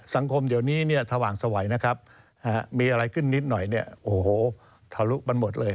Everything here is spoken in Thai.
สังคมเดี๋ยวนี้เนี่ยสว่างสวัยนะครับมีอะไรขึ้นนิดหน่อยเนี่ยโอ้โหทะลุมันหมดเลย